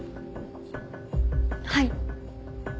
はい。